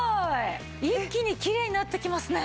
一気にきれいになっていきますね。